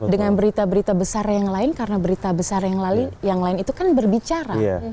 dengan berita berita besar yang lain karena berita besar yang lain itu kan berbicara